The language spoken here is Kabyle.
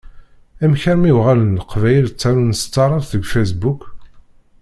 Amek armi uɣalen Leqbayel ttarun s taɛrabt deg Facebook?